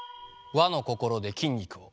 「和の心で筋肉を」